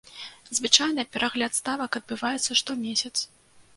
Звычайна перагляд ставак адбываецца штомесяц.